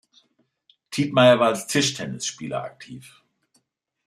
Tietmeyer war als Tischtennisspieler aktiv.